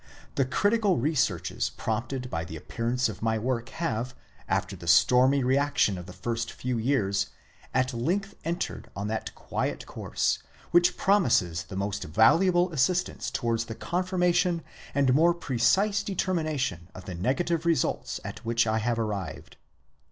The critical researches prompted by the appearance of my work have, after the stormy reaction of the first few years, at length entered on that quiet course, which promises the most valuable assistance towards the confirmation and more precise determination of the negative results at which I have arrived.